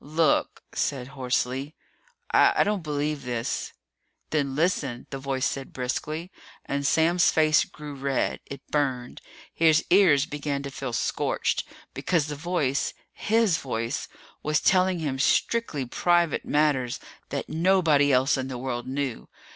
"Look," said hoarsely, "I don't believe this!" "Then listen," the voice said briskly. And Sam's face grew red. It burned. His ears began to feel scorched. Because the voice his voice was telling him strictly private matters that nobody else in the world knew.